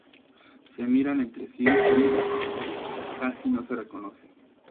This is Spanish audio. Se miran entre sí y casi no se reconocen.